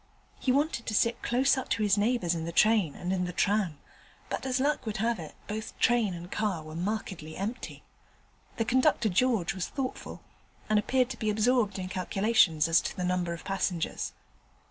He wanted to sit close up to his neighbours in the train and in the tram, but as luck would have it both train and car were markedly empty. The conductor George was thoughtful, and appeared to be absorbed in calculations as to the number of passengers.